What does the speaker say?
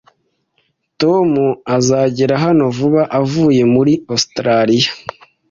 Tom azagera hano vuba avuye muri Ositaraliya